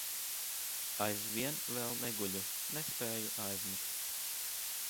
Aizvien vēl neguļu, nespēju aizmigt.